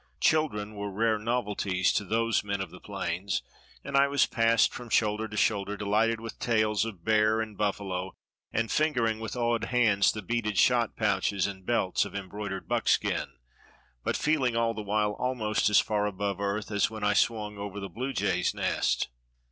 Children were rare novelties to those men of the plains, and I was passed from shoulder to shoulder, delighted with tales of bear and buffalo, and fingering with awed hands the beaded shot pouches and belts of embroidered buckskin, but feeling all the while almost as far above earth as when I swung over the blue jay's nest.